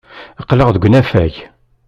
Aql-aɣ deg unafag.